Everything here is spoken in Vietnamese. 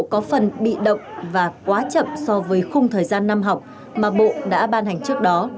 có phần bị động và quá chậm so với khung thời gian năm học mà bộ đã ban hành trước đó